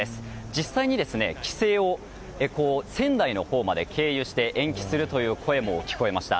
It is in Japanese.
実際に帰省を仙台のほうまで経由して延期するという声も聞かれました。